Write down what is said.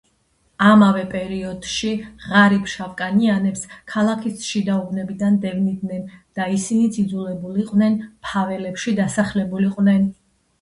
ამავე პერიოდში ღარიბ შავკანიანებს ქალაქის შიდა უბნებიდან დევნიდნენ და ისინიც იძულებულ იყვნენ ფაველებში დასახლებულიყვნენ.